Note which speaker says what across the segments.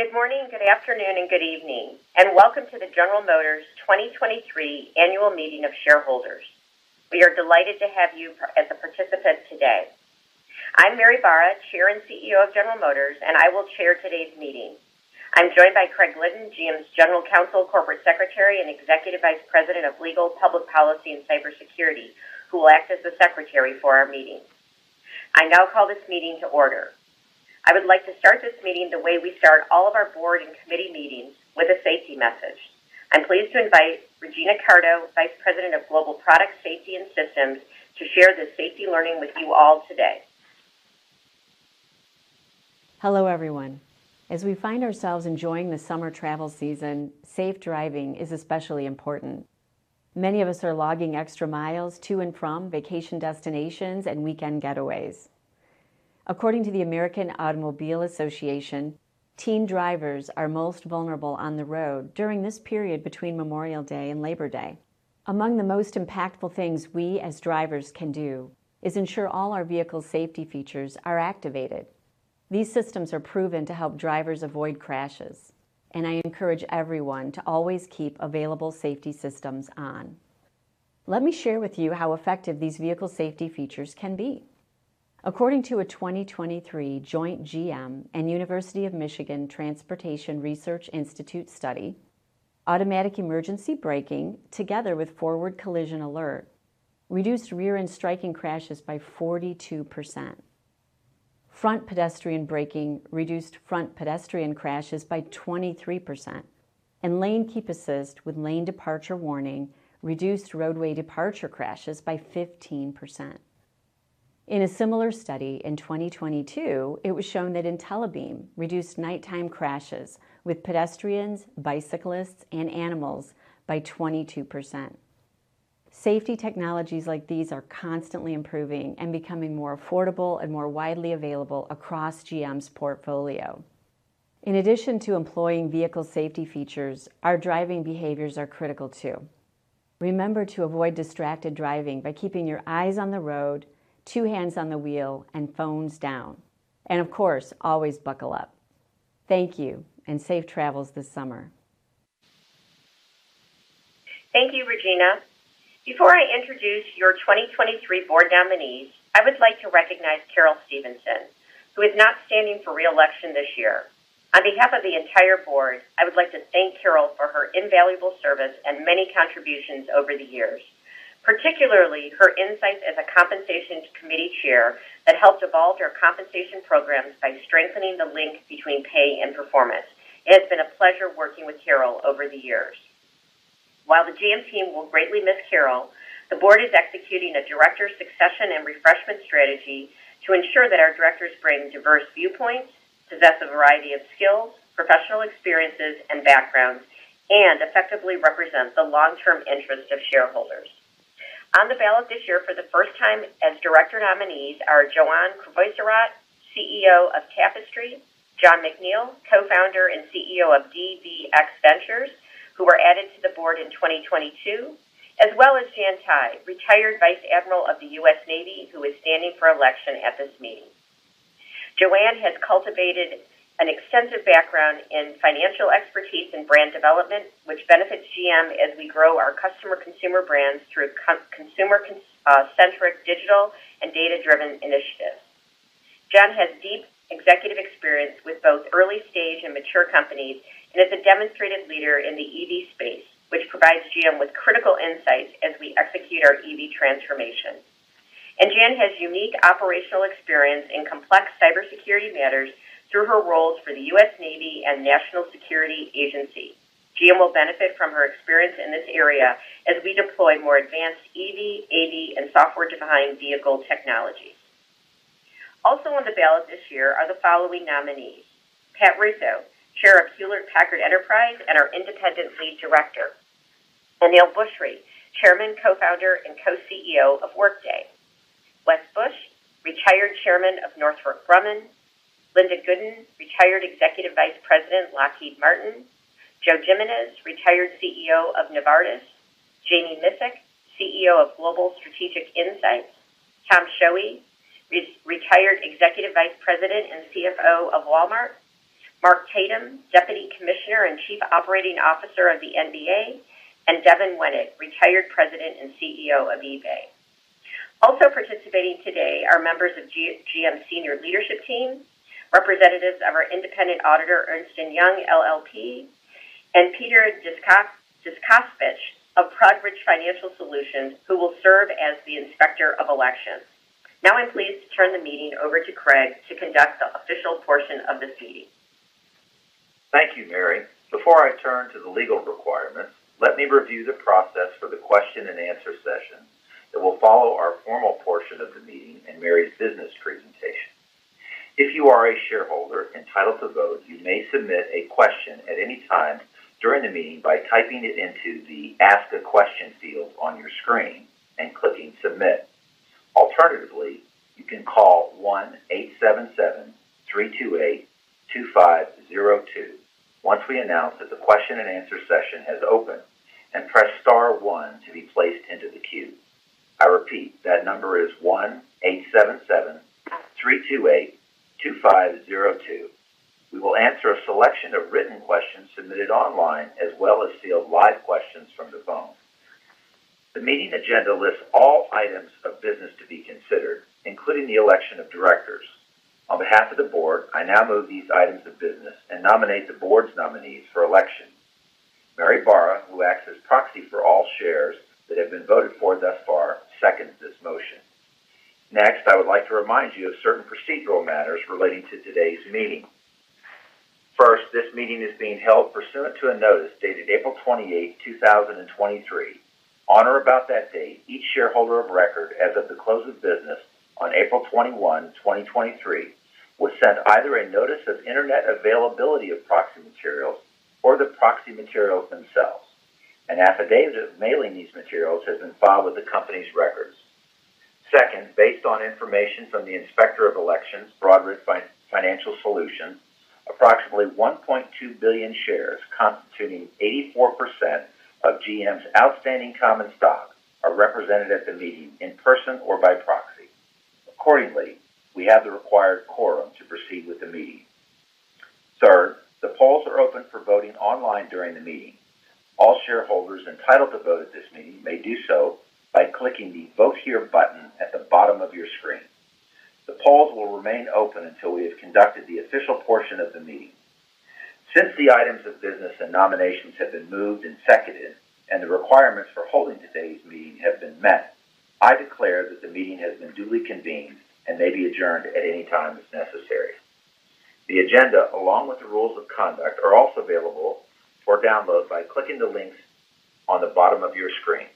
Speaker 1: Good morning, good afternoon, and good evening, and welcome to the General Motors 2023 Annual Meeting of Shareholders. We are delighted to have you as a participant today. I'm Mary Barra, Chair and CEO of General Motors, and I will chair today's meeting. I'm joined by Craig Glidden, GM's General Counsel, Corporate Secretary, and Executive Vice President of Legal, Public Policy, and Cybersecurity, who will act as the secretary for our meeting. I now call this meeting to order. I would like to start this meeting the way we start all of our board and committee meetings, with a safety message. I'm pleased to invite Regina Carto, Vice President of Global Product Safety and Systems, to share this safety learning with you all today.
Speaker 2: Hello, everyone. As we find ourselves enjoying the summer travel season, safe driving is especially important. Many of us are logging extra miles to and from vacation destinations and weekend getaways. According to the American Automobile Association, teen drivers are most vulnerable on the road during this period between Memorial Day and Labor Day. Among the most impactful things we, as drivers, can do is ensure all our vehicle safety features are activated. These systems are proven to help drivers avoid crashes. I encourage everyone to always keep available safety systems on. Let me share with you how effective these vehicle safety features can be. According to a 2023 joint GM and University of Michigan Transportation Research Institute study, automatic emergency braking, together with forward collision alert, reduced rear-end striking crashes by 42%. Front pedestrian braking reduced front pedestrian crashes by 23%, and lane keep assist with lane departure warning reduced roadway departure crashes by 15%. In a similar study in 2022, it was shown that IntelliBeam reduced nighttime crashes with pedestrians, bicyclists, and animals by 22%. Safety technologies like these are constantly improving and becoming more affordable and more widely available across GM's portfolio. In addition to employing vehicle safety features, our driving behaviors are critical, too. Remember to avoid distracted driving by keeping your eyes on the road, two hands on the wheel, and phones down. Of course, always buckle up. Thank you, and safe travels this summer.
Speaker 1: Thank you, Regina. Before I introduce your 2023 board nominees, I would like to recognize Carol Stephenson, who is not standing for re-election this year. On behalf of the entire board, I would like to thank Carol for her invaluable service and many contributions over the years, particularly her insights as a Compensation Committee Chair that helped evolve our compensation programs by strengthening the link between pay and performance. It has been a pleasure working with Carol over the years. While the GM team will greatly miss Carol, the board is executing a director succession and refreshment strategy to ensure that our directors bring diverse viewpoints, possess a variety of skills, professional experiences, and backgrounds, and effectively represent the long-term interests of shareholders. On the ballot this year for the first time as director nominees are Joanne Crevoiserat, CEO of Tapestry, Jon McNeill, Co-founder and CEO of DVx Ventures, who were added to the board in 2022, as well as Jan Tighe, retired Vice Admiral of the U.S. Navy, who is standing for election at this meeting. Joanne has cultivated an extensive background in financial expertise and brand development, which benefits GM as we grow our customer consumer brands through consumer-centric, digital, and data-driven initiatives. Jon has deep executive experience with both early-stage and mature companies and is a demonstrated leader in the EV space, which provides GM with critical insights as we execute our EV transformation. Jan has unique operational experience in complex cybersecurity matters through her roles for the U.S. Navy and National Security Agency. GM will benefit from her experience in this area as we deploy more advanced EV, AD, and software-defined vehicle technologies. On the ballot this year are the following nominees: Pat Russo, Chair of Hewlett Packard Enterprise and our Independent Lead Director, Aneel Bhusri, Chairman, Co-founder, and Co-CEO of Workday, Wes Bush, Retired Chairman of Northrop Grumman, Linda Gooden, Retired Executive Vice President, Lockheed Martin, Joe Jimenez, Retired CEO of Novartis, Jami Miscik, CEO of Global Strategic Insight, Thomas Schoewe, Retired Executive Vice President and CFO of Walmart, Mark Tatum, Deputy Commissioner and Chief Operating Officer of the NBA, and Devin Wenig, Retired President and CEO of eBay. Participating today are members of GM senior leadership team, representatives of our independent auditor, Ernst & Young LLP, and Peter J. Desio, of Broadridge Financial Solutions, who will serve as the Inspector of Election. I'm pleased to turn the meeting over to Craig to conduct the official portion of this meeting.
Speaker 3: Thank you, Mary. Before I turn to the legal requirements, let me review the process for the question-and-answer session that will follow our formal portion of the meeting and Mary's business presentation. If you are a shareholder entitled to vote, you may submit a question at any time during the meeting by typing it into the Ask a Question field on your screen and clicking Submit. Alternatively, you can call 1-877-328-2502, once we announce that the question-and-answer session has opened, and press star one to be placed into the queue. I repeat, that number is 1-877-328-2502. We will answer a selection of written questions submitted online, as well as sealed live questions from the phone. The meeting agenda lists all items of business to be considered, including the election of directors. On behalf of the board, I now move these items of business and nominate the board's nominees for election. Mary Barra, who acts as proxy for all shares that have been voted for thus far, seconds this motion. Next, I would like to remind you of certain procedural matters relating to today's meeting. First, this meeting is being held pursuant to a notice dated April 28, 2023. On or about that day, each shareholder of record as of the close of business on April 21, 2023, was sent either a notice of internet availability of proxy materials or the proxy materials themselves. An affidavit of mailing these materials has been filed with the company's records. Second, based on information from the Inspector of Elections, Broadridge Financial Solutions, approximately 1.2 billion shares, constituting 84% of GM's outstanding common stock, are represented at the meeting in person or by proxy. Accordingly, we have the required quorum to proceed with the meeting. Third, the polls are open for voting online during the meeting. All shareholders entitled to vote at this meeting may do so by clicking the Vote Here button at the bottom of your screen. The polls will remain open until we have conducted the official portion of the meeting. Since the items of business and nominations have been moved and seconded, and the requirements for holding today's meeting have been met, I declare that the meeting has been duly convened and may be adjourned at any time as necessary. The agenda, along with the rules of conduct, are also available for download by clicking the links on the bottom of your screen.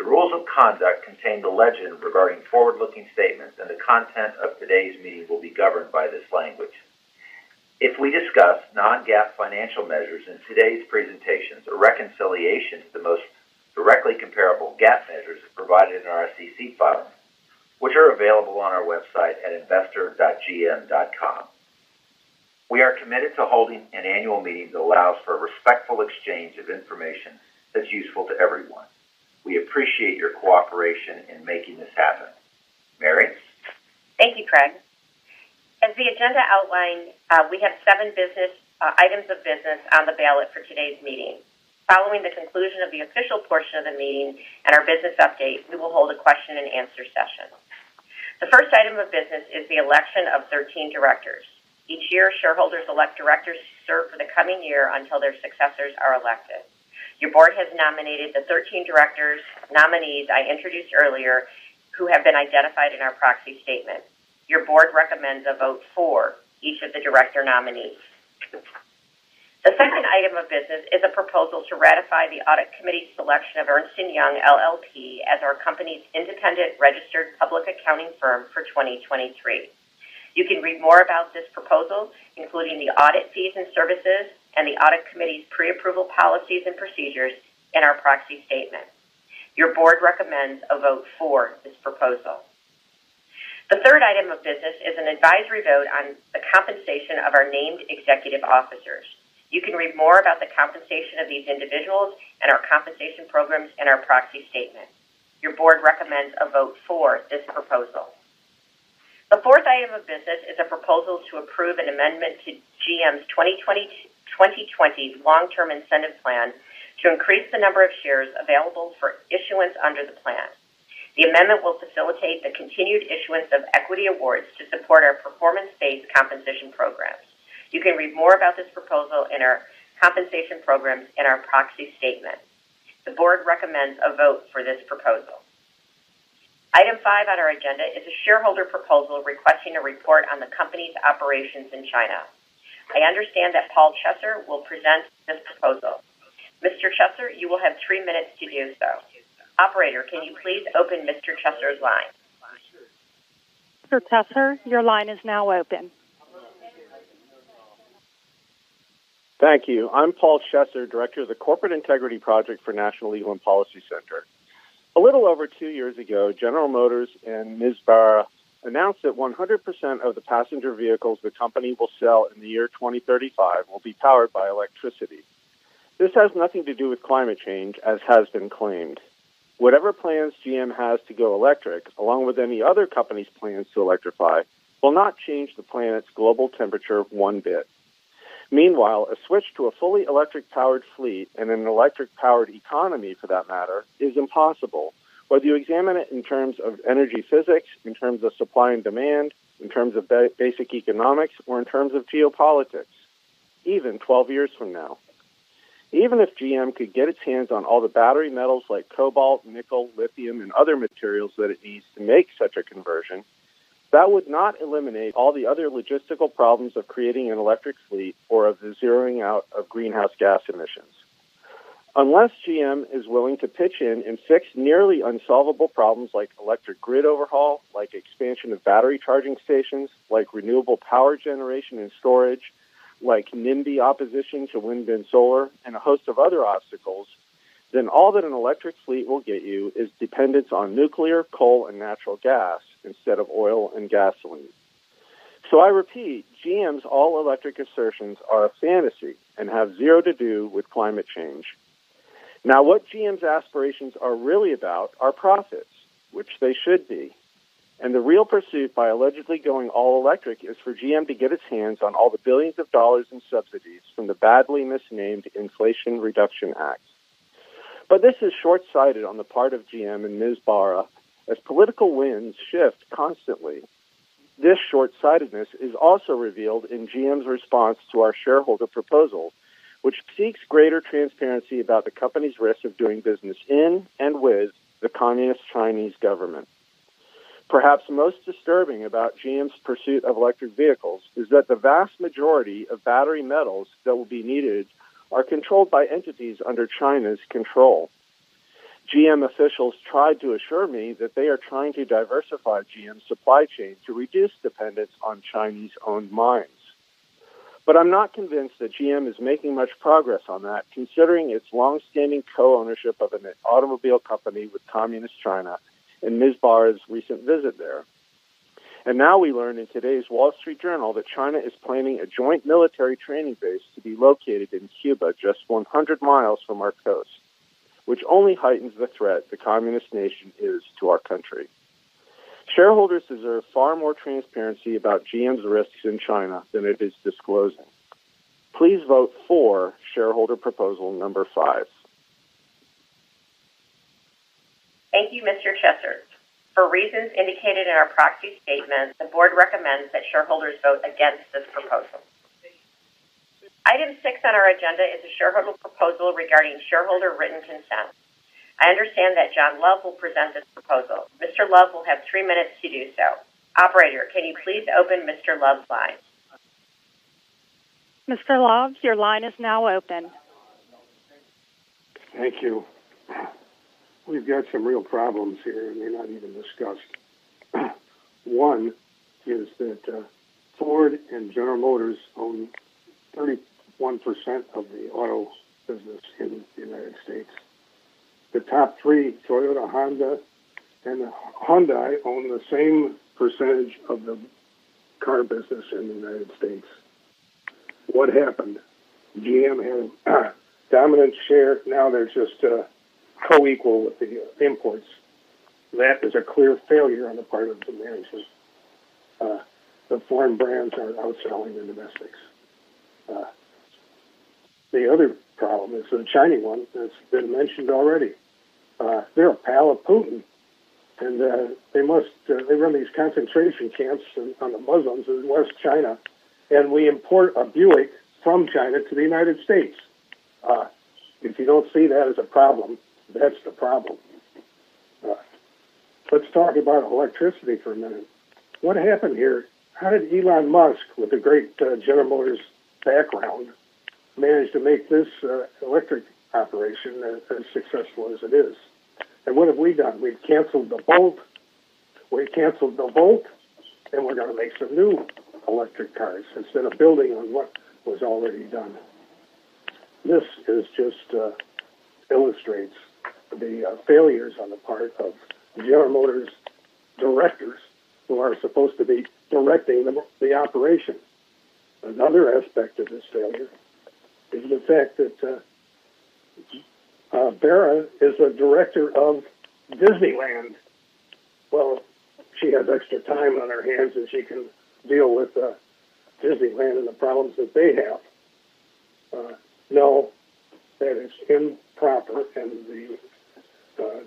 Speaker 3: The rules of conduct contain the legend regarding forward-looking statements. The content of today's meeting will be governed by this language. If we discuss non-GAAP financial measures in today's presentations, a reconciliation to the most directly comparable GAAP measures is provided in our SEC filings, which are available on our website at investor.gm.com. We are committed to holding an annual meeting that allows for a respectful exchange of information that's useful to everyone. We appreciate your cooperation in making this happen. Mary?
Speaker 1: Thank you, Craig. As the agenda outlined, we have seven items of business on the ballot for today's meeting. Following the conclusion of the official portion of the meeting and our business update, we will hold a question-and-answer session. The first item of business is the election of 13 directors. Each year, shareholders elect directors to serve for the coming year until their successors are elected. Your board has nominated the 13 directors, nominees I introduced earlier, who have been identified in our proxy statement. Your board recommends a vote for each of the director nominees. The second item of business is a proposal to ratify the Audit Committee's selection of Ernst & Young LLP as our company's independent registered public accounting firm for 2023. You can read more about this proposal, including the audit fees and services and the Audit Committee's pre-approval policies and procedures in our proxy statement. Your board recommends a vote for this proposal. The third item of business is an advisory vote on the compensation of our named executive officers. You can read more about the compensation of these individuals and our compensation programs in our proxy statement. Your board recommends a vote for this proposal. The fourth item of business is a proposal to approve an amendment to GM's 2020 Long Term Incentive Plan to increase the number of shares available for issuance under the plan. The amendment will facilitate the continued issuance of equity awards to support our performance-based compensation programs. You can read more about this proposal and our compensation programs in our proxy statement. The board recommends a vote for this proposal. Item 5 on our agenda is a shareholder proposal requesting a report on the company's operations in China. I understand that Paul Chesser will present this proposal. Mr. Chesser, you will have three minutes to do so. Operator, can you please open Mr. Chesser's line?
Speaker 4: Mr. Chesser, your line is now open.
Speaker 5: Thank you. I'm Paul Chesser, Director of the Corporate Integrity Project for National Legal and Policy Center. A little over two years ago, General Motors and Ms. Barra announced that 100% of the passenger vehicles the company will sell in the year 2035 will be powered by electricity. This has nothing to do with climate change, as has been claimed. Whatever plans GM has to go electric, along with any other company's plans to electrify, will not change the planet's global temperature one bit. Meanwhile, a switch to a fully electric-powered fleet and an electric-powered economy, for that matter, is impossible, whether you examine it in terms of energy physics, in terms of supply and demand, in terms of basic economics, or in terms of geopolitics, even 12 years from now. Even if GM could get its hands on all the battery metals like cobalt, nickel, lithium, and other materials that it needs to make such a conversion, that would not eliminate all the other logistical problems of creating an electric fleet or of the zeroing out of greenhouse gas emissions. Unless GM is willing to pitch in and fix nearly unsolvable problems like electric grid overhaul, like expansion of battery charging stations, like renewable power generation and storage, like NIMBY opposition to wind and solar, and a host of other obstacles, then all that an electric fleet will get you is dependence on nuclear, coal, and natural gas instead of oil and gasoline... I repeat, GM's all-electric assertions are a fantasy and have zero to do with climate change. Now, what GM's aspirations are really about are profits, which they should be, and the real pursuit by allegedly going all electric is for GM to get its hands on all the billions of dollars in subsidies from the badly misnamed Inflation Reduction Act. This is short-sighted on the part of GM and Ms. Barra, as political winds shift constantly. This short-sightedness is also revealed in GM's response to our shareholder proposal, which seeks greater transparency about the company's risk of doing business in and with the communist Chinese government. Perhaps most disturbing about GM's pursuit of electric vehicles is that the vast majority of battery metals that will be needed are controlled by entities under China's control. GM officials tried to assure me that they are trying to diversify GM's supply chain to reduce dependence on Chinese-owned mines. I'm not convinced that GM is making much progress on that, considering its long-standing co-ownership of an automobile company with communist China and Ms. Barra's recent visit there. Now we learn in today's The Wall Street Journal that China is planning a joint military training base to be located in Cuba, just 100 miles from our coast, which only heightens the threat the communist nation is to our country. Shareholders deserve far more transparency about GM's risks in China than it is disclosing. Please vote for shareholder proposal number 5.
Speaker 1: Thank you, Mr. Chesser. For reasons indicated in our proxy statement, the board recommends that shareholders vote against this proposal. Item six on our agenda is a shareholder proposal regarding shareholder written consent. I understand that John Love will present this proposal. Mr. Love will have 3 minutes to do so. Operator, can you please open Mr. Love's line?
Speaker 4: Mr. Love, your line is now open.
Speaker 6: Thank you. We've got some real problems here, and they're not even discussed. One is that Ford and General Motors own 31% of the auto business in the United States. The top three, Toyota, Honda, and Hyundai, own the same percentage of the car business in the United States. What happened? GM had dominant share, now they're just co-equal with the imports. That is a clear failure on the part of the managers. The foreign brands are outselling the domestics. The other problem is the China one that's been mentioned already. They're a pal of Putin. They must run these concentration camps on the Muslims in West China. We import a Buick from China to the United States. If you don't see that as a problem, that's the problem. Let's talk about electricity for a minute. What happened here? How did Elon Musk, with a great, General Motors background, manage to make this, electric operation as successful as it is? What have we done? We've canceled the Volt. We canceled the Volt, and we're gonna make some new electric cars instead of building on what was already done. This is just, illustrates the, failures on the part of General Motors directors who are supposed to be directing the operation. Another aspect of this failure is the fact that, Barra is a director of Disneyland. Well, she has extra time on her hands, and she can deal with, Disneyland and the problems that they have. No, that is improper, and the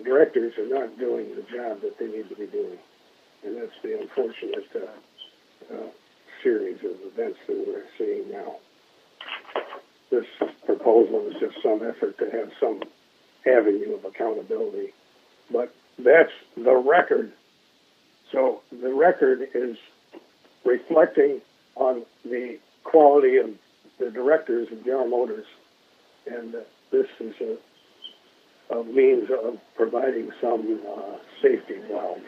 Speaker 6: directors are not doing the job that they need to be doing, and that's the unfortunate series of events that we're seeing now. This proposal is just some effort to have some avenue of accountability, but that's the record. The record is reflecting on the quality of the directors of General Motors, and this is a means of providing some safety valve,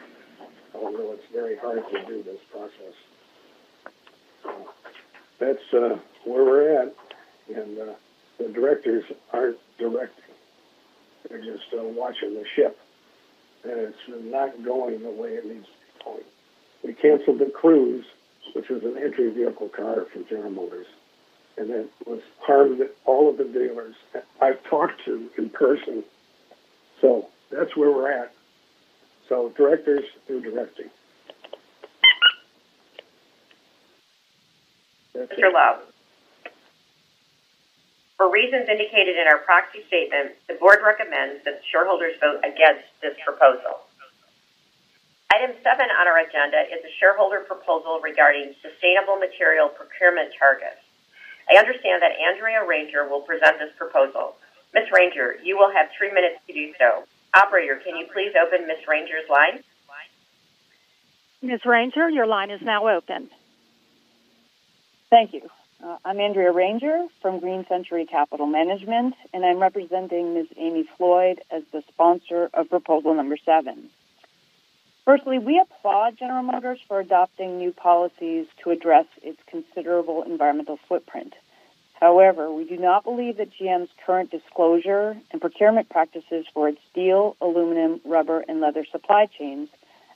Speaker 6: although it's very hard to do this process. That's where we're at, and the directors aren't directing. They're just watching the ship, and it's not going the way it needs to be going. We canceled the Cruze, which is an entry-level car for General Motors, and that was hard on all of the dealers I've talked to in person. That's where we're at. Directors, do directing.
Speaker 1: Mr. Love, for reasons indicated in our proxy statement, the board recommends that shareholders vote against this proposal. Item 7 on our agenda is a shareholder proposal regarding sustainable material procurement targets. I understand that Andrea Ranger will present this proposal. Ms. Ranger, you will have 3 minutes to do so. Operator, can you please open Ms. Ranger's line?
Speaker 4: Ms. Ranger, your line is now open.
Speaker 7: Thank you. I'm Andrea Ranger from Green Century Capital Management, and I'm representing Ms. Amy Floyd as the sponsor of proposal number seven. Firstly, we applaud General Motors for adopting new policies to address its considerable environmental footprint. However, we do not believe that GM's current disclosure and procurement practices for its steel, aluminum, rubber, and leather supply chains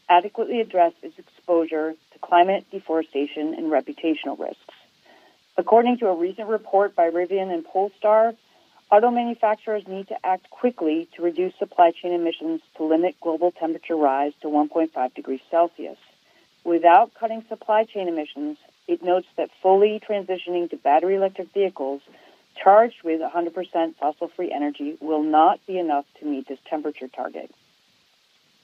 Speaker 7: adequately address its exposure to climate, deforestation, and reputational risks. According to a recent report by Rivian and Polestar, auto manufacturers need to act quickly to reduce supply chain emissions to limit global temperature rise to 1.5 degrees Celsius. Without cutting supply chain emissions, it notes that fully transitioning to battery electric vehicles charged with 100% fossil-free energy will not be enough to meet this temperature target.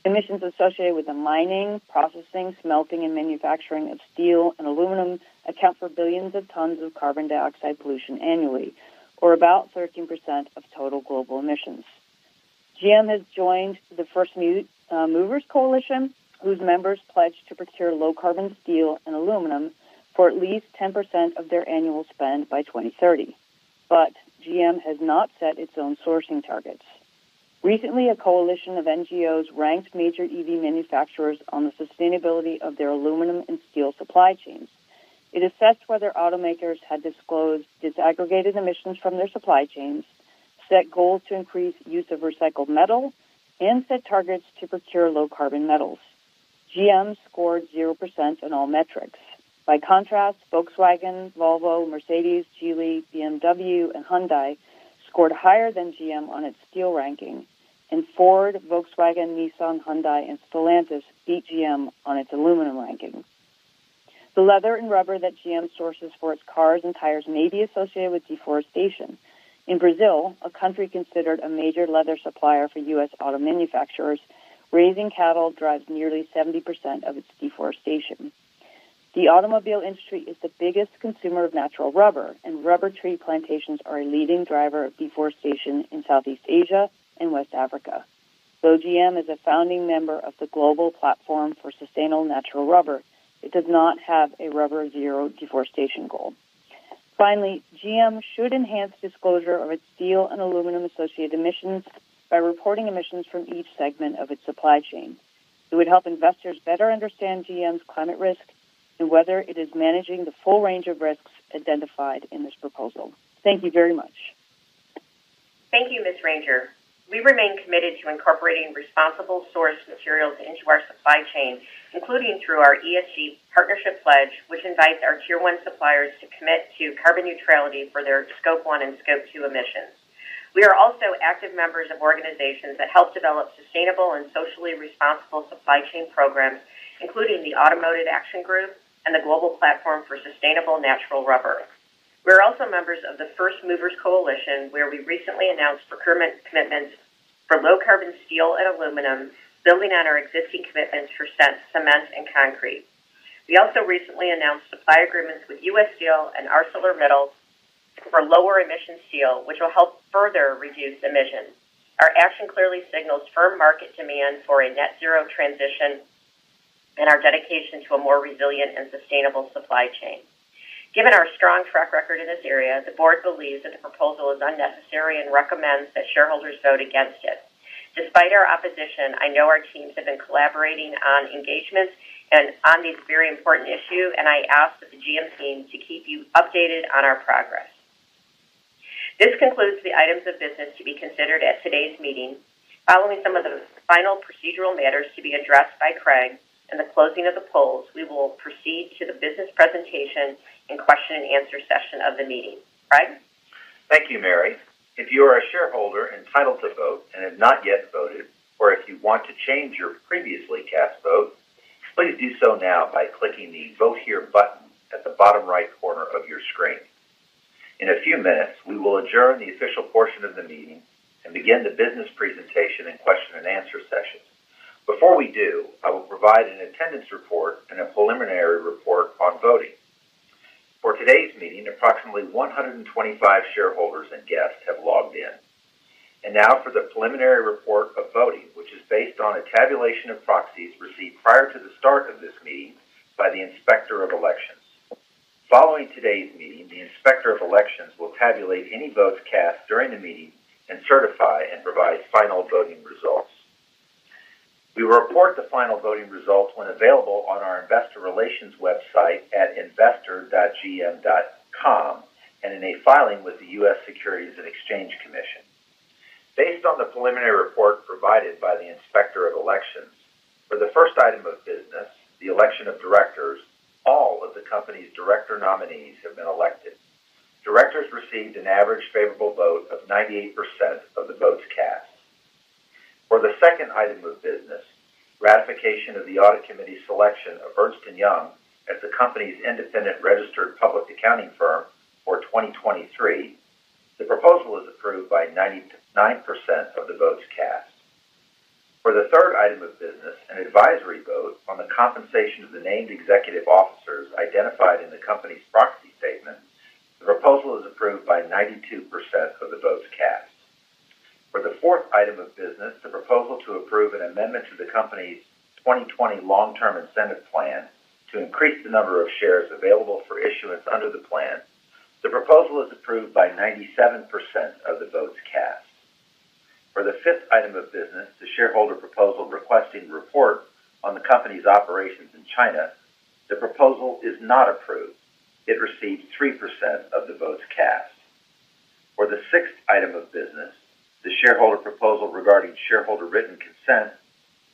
Speaker 7: Emissions associated with the mining, processing, smelting, and manufacturing of steel and aluminum account for billions of tons of carbon dioxide pollution annually, or about 13% of total global emissions. GM has joined the First Movers Coalition, whose members pledged to procure low-carbon steel and aluminum for at least 10% of their annual spend by 2030, but GM has not set its own sourcing targets. Recently, a coalition of NGOs ranked major EV manufacturers on the sustainability of their aluminum and steel supply chains. It assessed whether automakers had disclosed disaggregated emissions from their supply chains, set goals to increase use of recycled metal, and set targets to procure low-carbon metals. GM scored 0% in all metrics. By contrast, Volkswagen, Volvo, Mercedes, Geely, BMW, and Hyundai scored higher than GM on its steel ranking, and Ford, Volkswagen, Nissan, Hyundai, and Stellantis beat GM on its aluminum ranking. The leather and rubber that GM sources for its cars and tires may be associated with deforestation. In Brazil, a country considered a major leather supplier for U.S. auto manufacturers, raising cattle drives nearly 70% of its deforestation. The automobile industry is the biggest consumer of natural rubber, and rubber tree plantations are a leading driver of deforestation in Southeast Asia and West Africa. Though GM is a founding member of the Global Platform for Sustainable Natural Rubber, it does not have a rubber zero deforestation goal. Finally, GM should enhance disclosure of its steel and aluminum-associated emissions by reporting emissions from each segment of its supply chain. It would help investors better understand GM's climate risk and whether it is managing the full range of risks identified in this proposal. Thank you very much.
Speaker 1: Thank you, Ms. Ranger. We remain committed to incorporating responsible source materials into our supply chain, including through our ESG partnership pledge, which invites our tier one suppliers to commit to carbon neutrality for their Scope 1 and Scope 2 emissions. We are also active members of organizations that help develop sustainable and socially responsible supply chain programs, including the Automotive Action Group and the Global Platform for Sustainable Natural Rubber. We're also members of the First Movers Coalition, where we recently announced procurement commitments for low-carbon steel and aluminum, building on our existing commitments for cement and concrete. We also recently announced supply agreements with U.S. Steel and ArcelorMittal for lower emission steel, which will help further reduce emissions. Our action clearly signals firm market demand for a net zero transition and our dedication to a more resilient and sustainable supply chain. Given our strong track record in this area, the board believes that the proposal is unnecessary and recommends that shareholders vote against it. Despite our opposition, I know our teams have been collaborating on engagements and on this very important issue, and I ask that the GM team to keep you updated on our progress. This concludes the items of business to be considered at today's meeting. Following some of the final procedural matters to be addressed by Craig and the closing of the polls, we will proceed to the business presentation and question-and-answer session of the meeting. Craig?
Speaker 3: Thank you, Mary. If you are a shareholder entitled to vote and have not yet voted, or if you want to change your previously cast vote, please do so now by clicking the Vote Here button at the bottom right corner of your screen. In a few minutes, we will adjourn the official portion of the meeting and begin the business presentation and question-and-answer session. Before we do, I will provide an attendance report and a preliminary report on voting. For today's meeting, approximately 125 shareholders and guests have logged in. Now for the preliminary report of voting, which is based on a tabulation of proxies received prior to the start of this meeting by the Inspector of Elections. Following today's meeting, the Inspector of Elections will tabulate any votes cast during the meeting and certify and provide final voting results. We will report the final voting results when available on our investor relations website at investor.gm.com and in a filing with the US Securities and Exchange Commission. Based on the preliminary report provided by the Inspector of Elections, for the first item of business, the election of directors, all of the company's director nominees have been elected. Directors received an average favorable vote of 98% of the votes cast. For the second item of business, ratification of the Audit Committee's selection of Ernst & Young as the company's independent registered public accounting firm for 2023, the proposal is approved by 99% of the votes cast. For the third item of business, an advisory vote on the compensation of the named executive officers identified in the company's proxy statement, the proposal is approved by 92% of the votes cast. For the fourth item of business, the proposal to approve an amendment to the company's 2020 Long-Term Incentive Plan to increase the number of shares available for issuance under the plan, the proposal is approved by 97% of the votes cast. For the fifth item of business, the shareholder proposal requesting report on the company's operations in China, the proposal is not approved. It received 3% of the votes cast. For the sixth item of business, the shareholder proposal regarding shareholder written consent,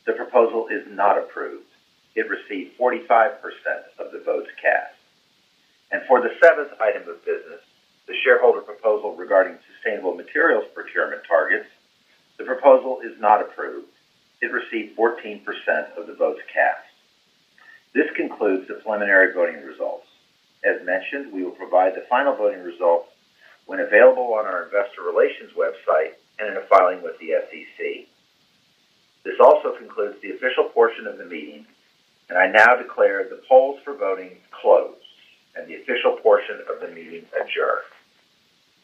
Speaker 3: the proposal is not approved. It received 45% of the votes cast. For the seventh item of business, the shareholder proposal regarding sustainable materials procurement targets, the proposal is not approved. It received 14% of the votes cast. This concludes the preliminary voting results. As mentioned, we will provide the final voting results when available on our Investor Relations website and in a filing with the SEC. This also concludes the official portion of the meeting, and I now declare the polls for voting closed and the official portion of the meeting adjourned.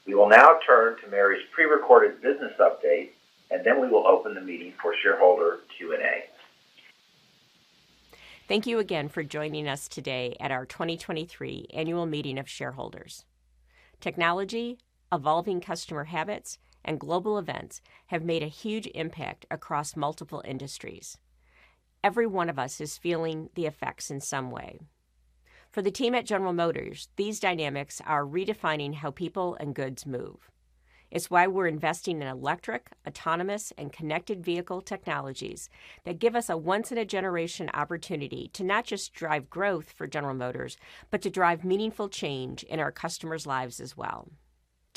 Speaker 3: We will now turn to Mary's prerecorded business update, and then we will open the meeting for shareholder Q&A.
Speaker 8: Thank you again for joining us today at our 2023 Annual Meeting of Shareholders. Technology, evolving customer habits, and global events have made a huge impact across multiple industries. Every one of us is feeling the effects in some way. For the team at General Motors, these dynamics are redefining how people and goods move. It's why we're investing in electric, autonomous, and connected vehicle technologies that give us a once-in-a-generation opportunity to not just drive growth for General Motors, but to drive meaningful change in our customers' lives as well.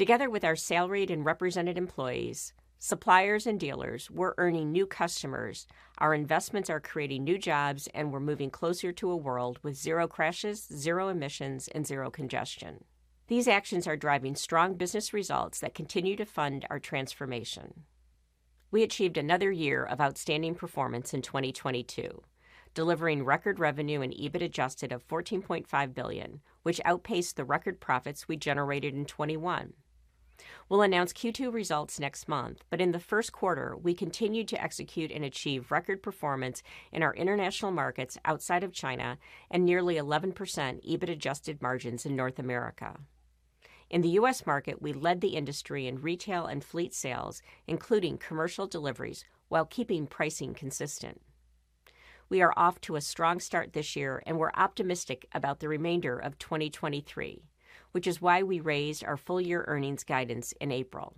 Speaker 8: Together with our salaried and represented employees, suppliers, and dealers, we're earning new customers, our investments are creating new jobs, and we're moving closer to a world with zero crashes, zero emissions, and zero congestion. These actions are driving strong business results that continue to fund our transformation. We achieved another year of outstanding performance in 2022, delivering record revenue and EBIT-adjusted of $14.5 billion, which outpaced the record profits we generated in 2021. We'll announce Q2 results next month, but in the first quarter, we continued to execute and achieve record performance in our international markets outside of China and nearly 11% EBIT-adjusted margins in North America. In the U.S. market, we led the industry in retail and fleet sales, including commercial deliveries, while keeping pricing consistent. We are off to a strong start this year, and we're optimistic about the remainder of 2023, which is why we raised our full-year earnings guidance in April.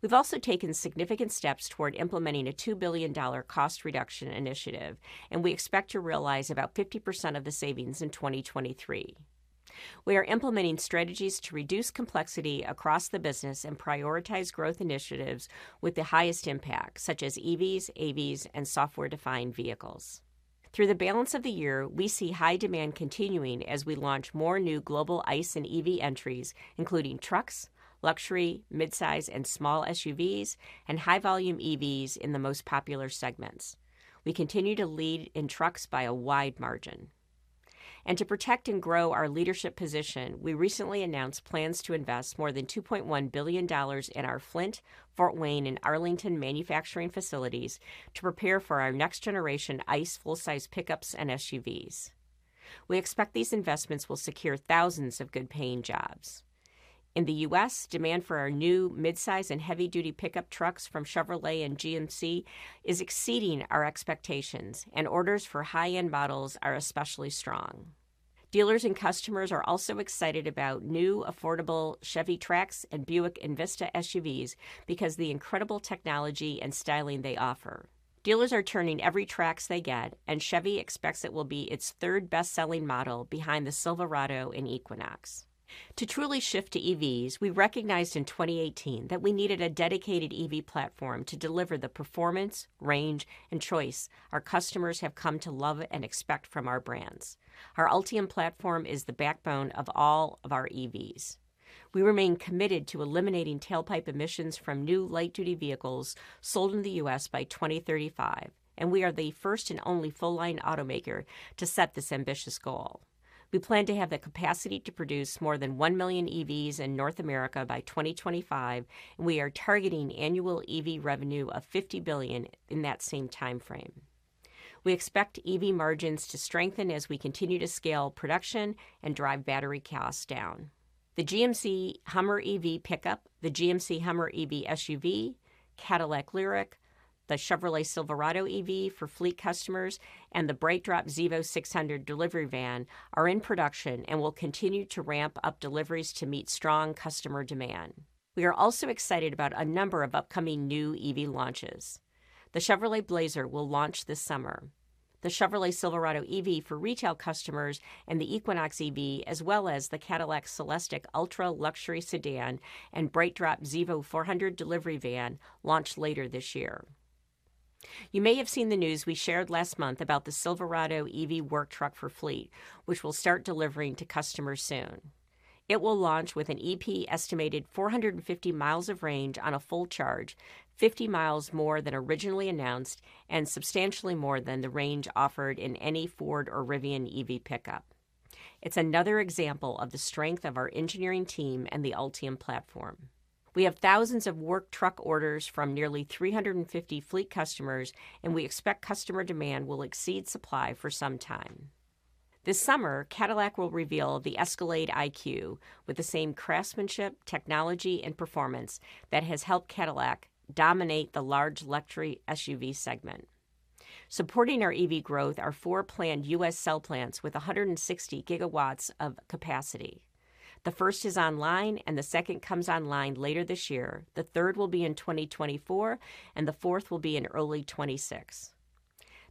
Speaker 8: We've also taken significant steps toward implementing a $2 billion cost reduction initiative, and we expect to realize about 50% of the savings in 2023. We are implementing strategies to reduce complexity across the business and prioritize growth initiatives with the highest impact, such as EVs, AVs, and software-defined vehicles. Through the balance of the year, we see high demand continuing as we launch more new global ICE and EV entries, including trucks, luxury, midsize, and small SUVs, and high-volume EVs in the most popular segments. We continue to lead in trucks by a wide margin. To protect and grow our leadership position, we recently announced plans to invest more than $2.1 billion in our Flint, Fort Wayne, and Arlington manufacturing facilities to prepare for our next generation ICE full-size pickups and SUVs. We expect these investments will secure thousands of good-paying jobs. In the U.S., demand for our new midsize and heavy-duty pickup trucks from Chevrolet and GMC is exceeding our expectations, and orders for high-end models are especially strong. Dealers and customers are also excited about new, affordable Chevy Trax and Buick Envista SUVs because the incredible technology and styling they offer. Dealers are turning every Trax they get, and Chevy expects it will be its third best-selling model behind the Silverado and Equinox. To truly shift to EVs, we recognized in 2018 that we needed a dedicated EV platform to deliver the performance, range, and choice our customers have come to love and expect from our brands. Our Ultium platform is the backbone of all of our EVs. We remain committed to eliminating tailpipe emissions from new light-duty vehicles sold in the U.S. by 2035, and we are the first and only full-line automaker to set this ambitious goal. We plan to have the capacity to produce more than 1 million EVs in North America by 2025. We are targeting annual EV revenue of $50 billion in that same time frame. We expect EV margins to strengthen as we continue to scale production and drive battery costs down. The GMC HUMMER EV pickup, the GMC HUMMER EV SUV, Cadillac LYRIQ, the Chevrolet Silverado EV for fleet customers, and the BrightDrop Zevo 600 delivery van are in production and will continue to ramp up deliveries to meet strong customer demand. We are also excited about a number of upcoming new EV launches. The Chevrolet Blazer will launch this summer. The Chevrolet Silverado EV for retail customers and the Equinox EV, as well as the Cadillac CELESTIQ ultra-luxury sedan and BrightDrop Zevo 400 delivery van, launch later this year. You may have seen the news we shared last month about the Silverado EV work truck for fleet, which will start delivering to customers soon. It will launch with an EPA estimated 450 miles of range on a full charge, 50 miles more than originally announced and substantially more than the range offered in any Ford or Rivian EV pickup. It's another example of the strength of our engineering team and the Ultium platform. We have thousands of work truck orders from nearly 350 fleet customers, and we expect customer demand will exceed supply for some time. This summer, Cadillac will reveal the Escalade IQ with the same craftsmanship, technology, and performance that has helped Cadillac dominate the large luxury SUV segment. Supporting our EV growth are 4 planned U.S. cell plants with 160 gigawatts of capacity. The first is online. The second comes online later this year. The third will be in 2024. The fourth will be in early 2026.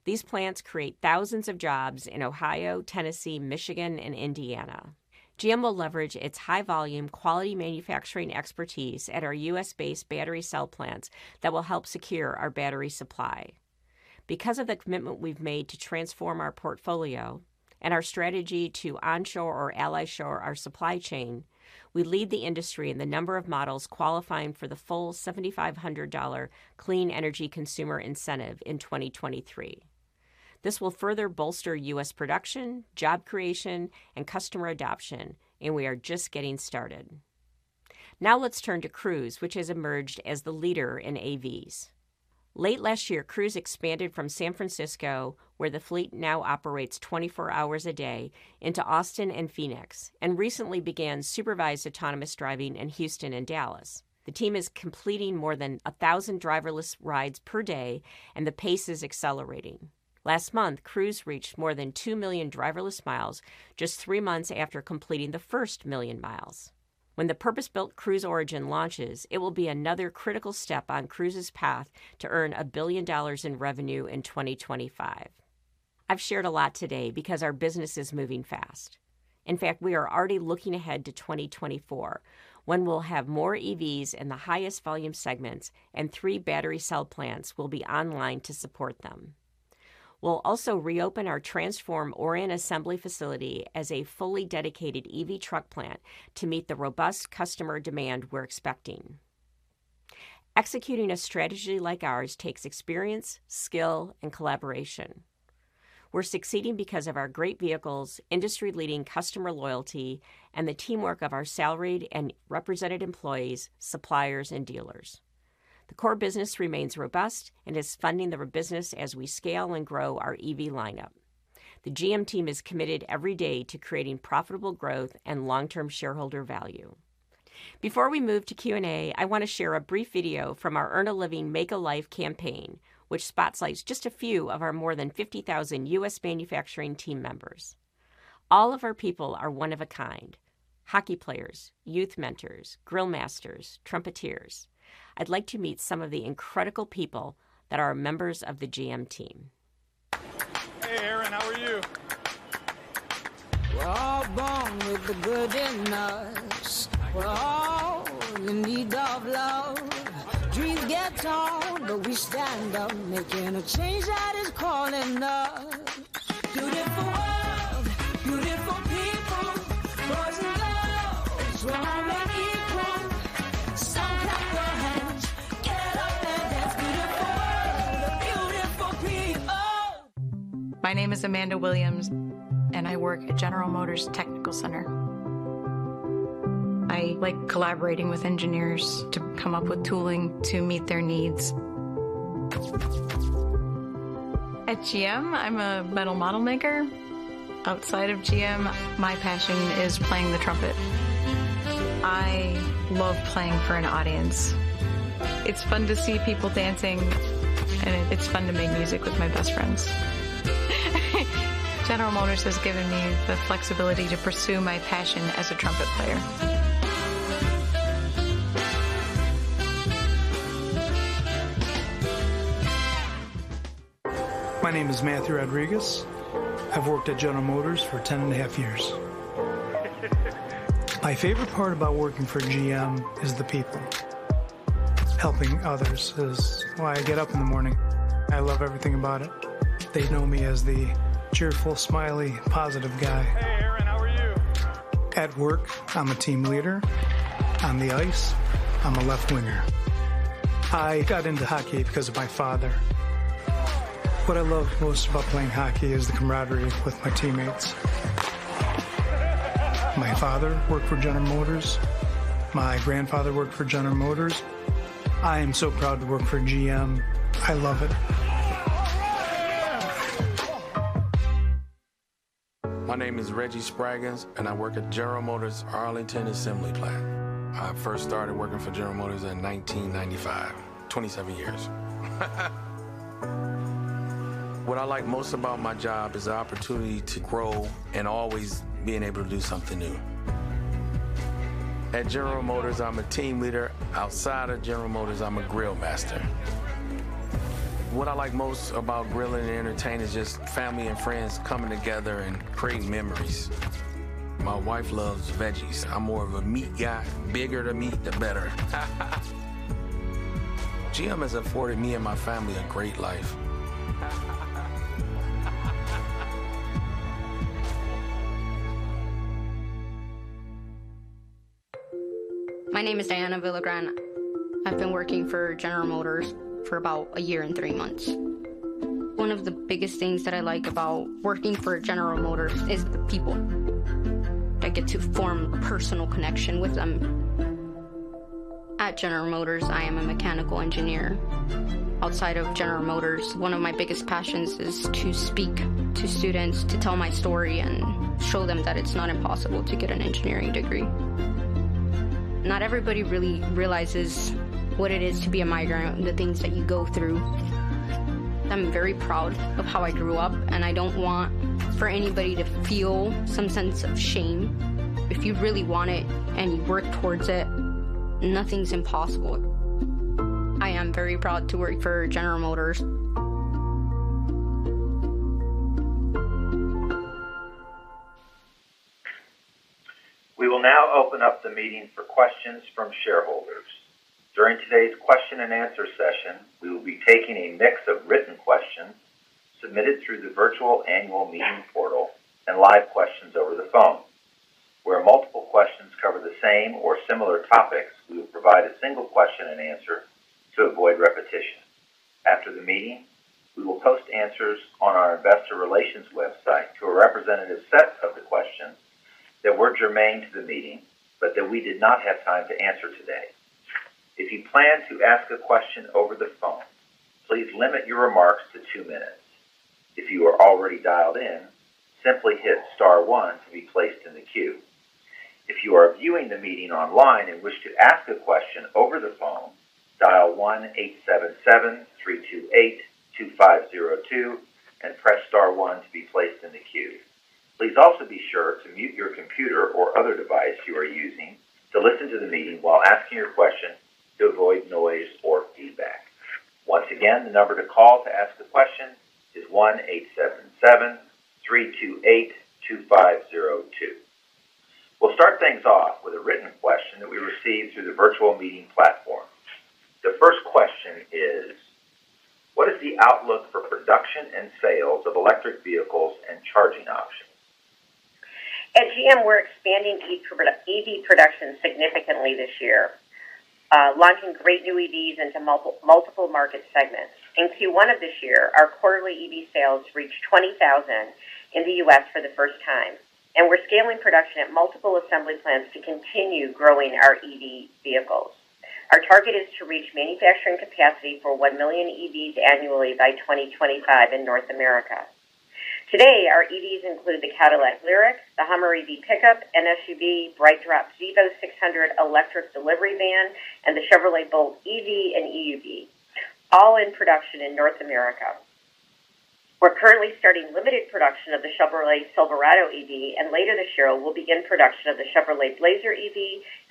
Speaker 8: These plants create thousands of jobs in Ohio, Tennessee, Michigan, and Indiana. GM will leverage its high-volume, quality manufacturing expertise at our U.S.-based battery cell plants that will help secure our battery supply. Because of the commitment we've made to transform our portfolio and our strategy to onshore or allyshore our supply chain, we lead the industry in the number of models qualifying for the full $7,500 Clean Energy Consumer Incentive in 2023. This will further bolster U.S. production, job creation, and customer adoption. We are just getting started. Now let's turn to Cruise, which has emerged as the leader in AVs. Late last year, Cruise expanded from San Francisco, where the fleet now operates 24 hours a day, into Austin and Phoenix, and recently began supervised autonomous driving in Houston and Dallas. The team is completing more than 1,000 driverless rides per day, and the pace is accelerating. Last month, Cruise reached more than 2 million driverless miles just 3 months after completing the first 1 million miles. When the purpose-built Cruise Origin launches, it will be another critical step on Cruise's path to earn $1 billion in revenue in 2025. I've shared a lot today because our business is moving fast. In fact, we are already looking ahead to 2024, when we'll have more EVs in the highest volume segments and 3 battery cell plants will be online to support them. We'll also reopen our transformed Orion assembly facility as a fully dedicated EV truck plant to meet the robust customer demand we're expecting. Executing a strategy like ours takes experience, skill, and collaboration. We're succeeding because of our great vehicles, industry-leading customer loyalty, and the teamwork of our salaried and represented employees, suppliers, and dealers. The core business remains robust and is funding the business as we scale and grow our EV lineup. The GM team is committed every day to creating profitable growth and long-term shareholder value. Before we move to Q&A, I want to share a brief video from our Earn a Living, Make a Life campaign, which spotlights just a few of our more than 50,000 U.S. manufacturing team members. All of our people are one of a kind: hockey players, youth mentors, grill masters, trumpeteers. I'd like to meet some of the incredible people that are members of the GM team. Hey, Aaron, how are you? We're all born with the good in us. We're all in need of love. Dreams get torn, but we stand up, making a change that is calling us. Beautiful world, beautiful people. Boys and girls, we're all made equal. Clap your hands, get up and dance. Beautiful world, beautiful people. My name is Amanda Williams. I work at General Motors Technical Center. I like collaborating with engineers to come up with tooling to meet their needs. At GM, I'm a metal model maker. Outside of GM, my passion is playing the trumpet. I love playing for an audience. It's fun to see people dancing. It's fun to make music with my best friends. General Motors has given me the flexibility to pursue my passion as a trumpet player. My name is Matthew Rodriguez. I've worked at General Motors for 10 and a half years. My favorite part about working for GM is the people. Helping others is why I get up in the morning. I love everything about it. They know me as the cheerful, smiley, positive guy. Hey, Aaron, how are you? At work, I'm a team leader. On the ice, I'm a left winger. I got into hockey because of my father. What I love most about playing hockey is the camaraderie with my teammates. My father worked for General Motors. My grandfather worked for General Motors. I am so proud to work for GM. I love it. All right! My name is Reggie Spraggins, and I work at General Motors Arlington Assembly Plant. I first started working for General Motors in 1995, 27 years. What I like most about my job is the opportunity to grow and always being able to do something new. At General Motors, I'm a team leader. Outside of General Motors, I'm a grill master. What I like most about grilling and entertaining is just family and friends coming together and creating memories. My wife loves veggies. I'm more of a meat guy. Bigger the meat, the better. GM has afforded me and my family a great life. My name is Diana Villagran. I've been working for General Motors for about 1 year and 3 months. One of the biggest things that I like about working for General Motors is the people. I get to form a personal connection with them.... At General Motors, I am a mechanical engineer. Outside of General Motors, one of my biggest passions is to speak to students, to tell my story, and show them that it's not impossible to get an engineering degree. Not everybody really realizes what it is to be a migrant, and the things that you go through. I'm very proud of how I grew up, and I don't want for anybody to feel some sense of shame. If you really want it and you work towards it, nothing's impossible. I am very proud to work for General Motors.
Speaker 3: We will now open up the meeting for questions from shareholders. During today's question-and-answer session, we will be taking a mix of written questions submitted through the virtual annual meeting portal and live questions over the phone. Where multiple questions cover the same or similar topics, we will provide a single question-and-answer to avoid repetition. After the meeting, we will post answers on our investor relations website to a representative set of the questions that were germane to the meeting, but that we did not have time to answer today. If you plan to ask a question over the phone, please limit your remarks to 2 minutes. If you are already dialed in, simply hit star 1 to be placed in the queue. If you are viewing the meeting online and wish to ask a question over the phone, dial 1-877-328-2502 and press star 1 to be placed in the queue. Please also be sure to mute your computer or other device you are using to listen to the meeting while asking your question to avoid noise or feedback. Once again, the number to call to ask a question is 1-877-328-2502. We'll start things off with a written question that we received through the virtual meeting platform. The first question is: What is the outlook for production and sales of electric vehicles and charging options?
Speaker 1: At GM, we're expanding EV production significantly this year, launching great new EVs into multiple market segments. In Q1 of this year, our quarterly EV sales reached 20,000 in the U.S. for the first time. We're scaling production at multiple assembly plants to continue growing our EV vehicles. Our target is to reach manufacturing capacity for 1 million EVs annually by 2025 in North America. Today, our EVs include the Cadillac LYRIQ, the Hummer EV pickup and SUV, BrightDrop Zevo 600 electric delivery van, and the Chevrolet Bolt EV and EUV, all in production in North America. We're currently starting limited production of the Chevrolet Silverado EV. Later this year, we'll begin production of the Chevrolet Blazer EV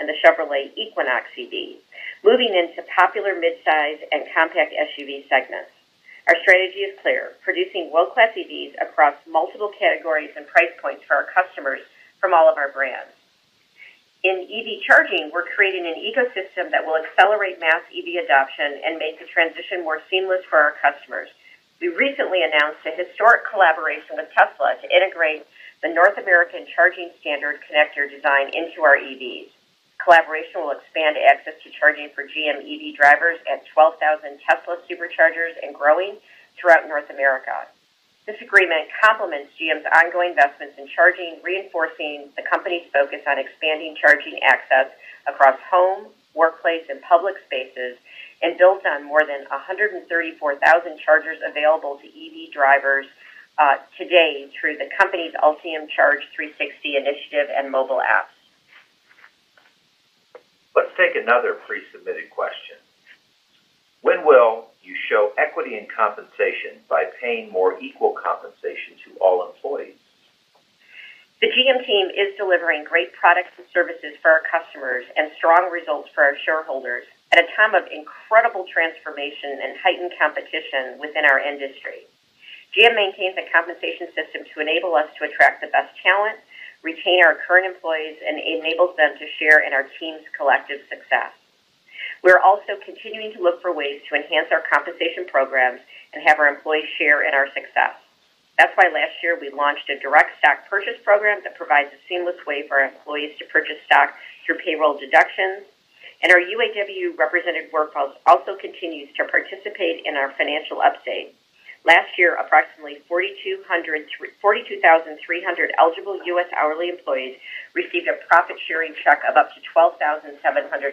Speaker 1: and the Chevrolet Equinox EV, moving into popular midsize and compact SUV segments. Our strategy is clear: producing world-class EVs across multiple categories and price points for our customers from all of our brands. In EV charging, we're creating an ecosystem that will accelerate mass EV adoption and make the transition more seamless for our customers. We recently announced a historic collaboration with Tesla to integrate the North American Charging Standard connector design into our EVs. Collaboration will expand access to charging for GM EV drivers at 12,000 Tesla Superchargers and growing throughout North America. This agreement complements GM's ongoing investments in charging, reinforcing the company's focus on expanding charging access across home, workplace, and public spaces, and builds on more than 134,000 chargers available to EV drivers today through the company's Ultium Charge 360 initiative and mobile app.
Speaker 3: Let's take another pre-submitted question: When will you show equity in compensation by paying more equal compensation to all employees?
Speaker 1: The GM team is delivering great products and services for our customers and strong results for our shareholders at a time of incredible transformation and heightened competition within our industry. GM maintains a compensation system to enable us to attract the best talent, retain our current employees, and enables them to share in our team's collective success. We are also continuing to look for ways to enhance our compensation programs and have our employees share in our success. That's why last year we launched a direct stock purchase program that provides a seamless way for our employees to purchase stock through payroll deductions. Our UAW-represented workforce also continues to participate in our financial update. Last year, approximately 42,300 eligible U.S. hourly employees received a profit-sharing check of up to $12,750.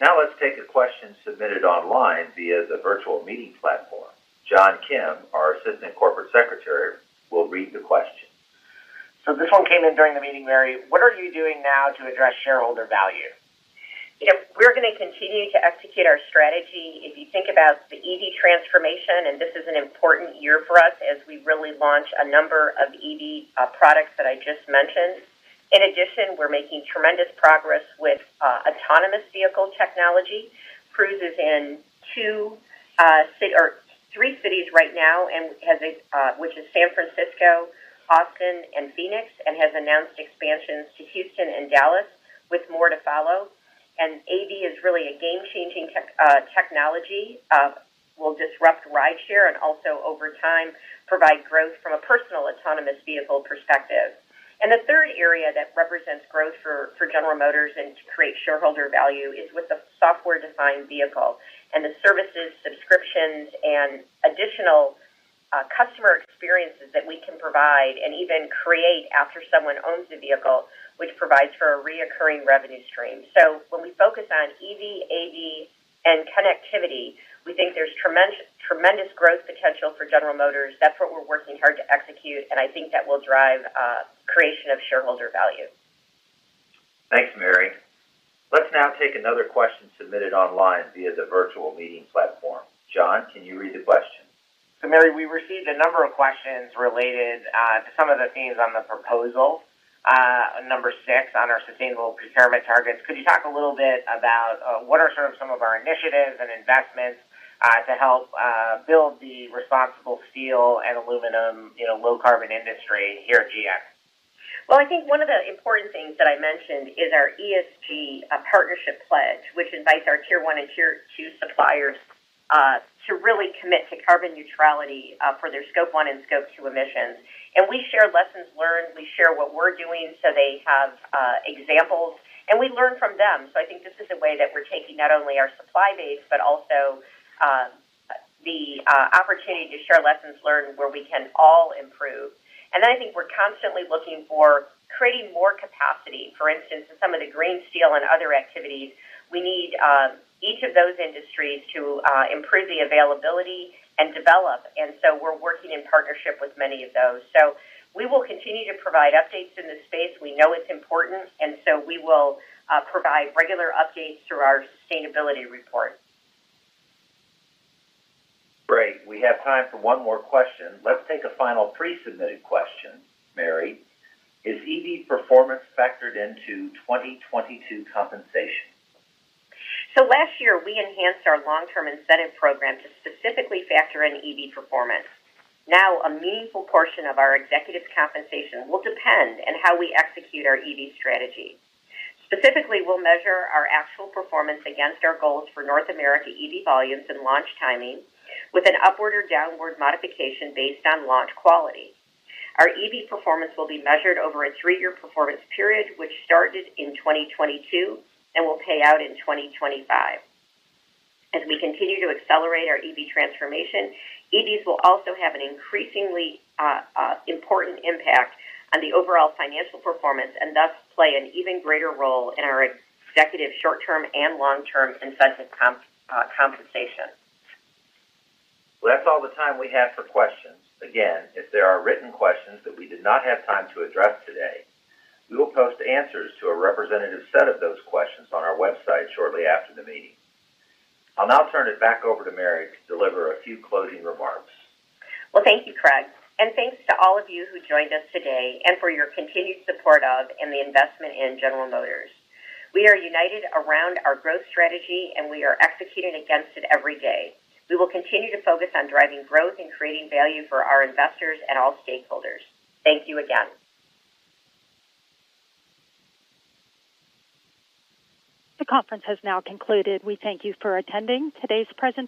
Speaker 3: Now let's take a question submitted online via the virtual meeting platform. John Kim, our Assistant Corporate Secretary, will read the question.
Speaker 9: This one came in during the meeting, Mary. What are you doing now to address shareholder value?
Speaker 1: You know, we're going to continue to execute our strategy. If you think about the EV transformation, and this is an important year for us as we really launch a number of EV products that I just mentioned. In addition, we're making tremendous progress with autonomous vehicle technology. Cruise is in two or three cities right now and has a which is San Francisco, Austin, and Phoenix, and has announced expansions to Houston and Dallas, with more to follow. AV is really a game-changing technology, will disrupt rideshare and also over time, provide growth from a personal autonomous vehicle perspective. The third area that represents growth for General Motors and to create shareholder value is with the software-defined vehicle and the services, subscriptions. customer experiences that we can provide and even create after someone owns the vehicle, which provides for a reoccurring revenue stream. When we focus on EV, AD, and connectivity, we think there's tremendous growth potential for General Motors. That's what we're working hard to execute, and I think that will drive creation of shareholder value.
Speaker 3: Thanks, Mary. Let's now take another question submitted online via the virtual meeting platform. John, can you read the question?
Speaker 9: Mary, we received a number of questions related to some of the themes on the proposal. Number 6, on our sustainable procurement targets. Could you talk a little bit about what are sort of some of our initiatives and investments to help build the responsible steel and aluminum, you know, low-carbon industry here at GM?
Speaker 1: I think one of the important things that I mentioned is our ESG partnership pledge, which invites our Tier One and Tier Two suppliers to really commit to carbon neutrality for their Scope 1 and Scope 2 emissions. We share lessons learned. We share what we're doing, so they have examples, and we learn from them. I think this is a way that we're taking not only our supply base, but also the opportunity to share lessons learned where we can all improve. I think we're constantly looking for creating more capacity. For instance, in some of the green steel and other activities, we need each of those industries to improve the availability and develop. We're working in partnership with many of those. We will continue to provide updates in this space. We know it's important, and so we will provide regular updates through our sustainability report.
Speaker 3: Great. We have time for one more question. Let's take a final pre-submitted question, Mary. Is EV's performance factored into 2022 compensation?
Speaker 1: Last year, we enhanced our Long-Term Incentive program to specifically factor in EV performance. Now, a meaningful portion of our executives' compensation will depend on how we execute our EV strategy. Specifically, we'll measure our actual performance against our goals for North America EV volumes and launch timing, with an upward or downward modification based on launch quality. Our EV performance will be measured over a 3-year performance period, which started in 2022 and will pay out in 2025. As we continue to accelerate our EV transformation, EVs will also have an increasingly important impact on the overall financial performance, and thus play an even greater role in our executive short-term and long-term incentive comp compensation.
Speaker 3: Well, that's all the time we have for questions. Again, if there are written questions that we did not have time to address today, we will post answers to a representative set of those questions on our website shortly after the meeting. I'll now turn it back over to Mary to deliver a few closing remarks.
Speaker 1: Thank you, Craig, and thanks to all of you who joined us today and for your continued support of, and the investment in General Motors. We are united around our growth strategy, and we are executing against it every day. We will continue to focus on driving growth and creating value for our investors and all stakeholders. Thank you again.
Speaker 9: The conference has now concluded. We thank you for attending today's presentation.